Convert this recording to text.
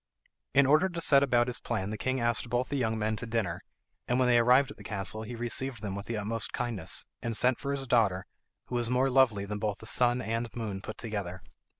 In order to set about his plan the king asked both the young men to dinner, and when they arrived at the castle he received them with the utmost kindness, and sent for his daughter, who was more lovely than both the sun and moon put together.